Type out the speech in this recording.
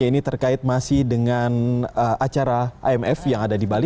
ini terkait masih dengan acara imf yang ada di bali